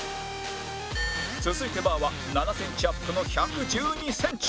続いてバーは７センチアップの１１２センチ